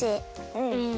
うん。